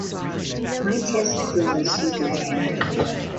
She assisted him in several projects.